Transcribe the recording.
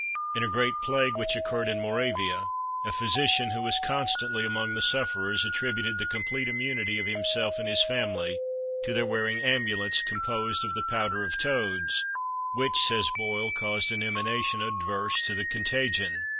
In a great plague which occurred in Moravia, a physician, who was constantly among the sufferers, attributed the complete immunity of himself and his family to their wearing amulets composed of the powder of toads, "which," says Boyle, "caused an emanation adverse to the contagion."